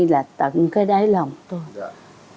đây là tận cái đáy lòng tôi